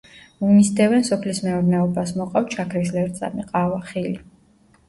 მისდევენ სოფლის მეურნეობას, მოყავთ შაქრის ლერწამი, ყავა, ხილი.